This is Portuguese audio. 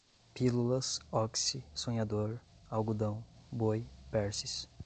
pílulas, oxy, sonhador, algodão, boi, perces